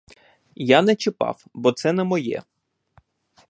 Я не чіпав, бо це не моє.